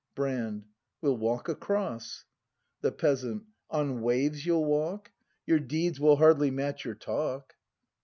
Brand. We'll walk across. The Peasant. On waves you'll walk ? Your deeds will hardly match your talk.